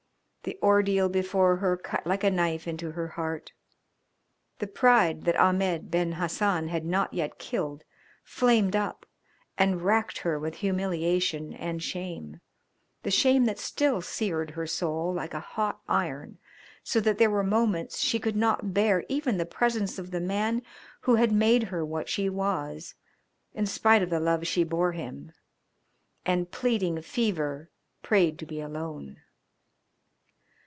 The ordeal before her cut like a knife into her heart. The pride that Ahmed Ben Hassan had not yet killed flamed up and racked her with humiliation and shame, the shame that still seared her soul like a hot iron, so that there were moments she could not bear even the presence of the man who had made her what she was, in spite of the love she bore him, and, pleading fever, prayed to be alone.